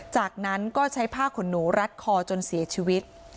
จากนั้นก็ใช้ผ้าขนหนูรัดคอจนเสียชีวิต